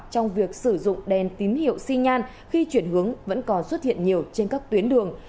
trong việc sử dụng đèn tín hiệu xi nhan khi chuyển hướng vẫn còn xuất hiện nhiều trên các tuyến đường